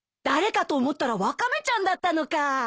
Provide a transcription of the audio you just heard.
誰かと思ったらワカメちゃんだったのか。